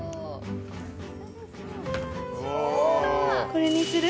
これにする？